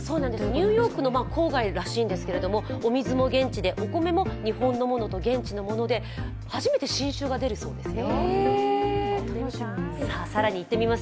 ニューヨークの郊外らしいんですけれどもお水も現地で、お米も日本のものと現地のもので、初めて新酒が出るそうですよ。